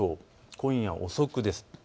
今夜遅くです。